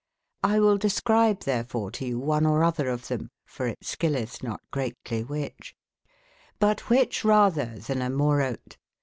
t will describe therefore to you one or other of them, for it skil leth not greatly which : but which rather then Hmaurote?